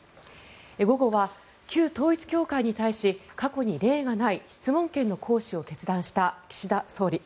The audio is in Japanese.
午後は旧統一教会に対し過去に例がない質問権の行使を決断した岸田総理。